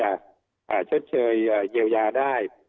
ไม่สามารถที่จะชดเชยเกี่ยวยาได้